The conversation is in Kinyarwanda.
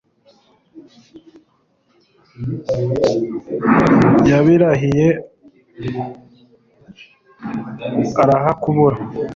yabirahiye irahakubura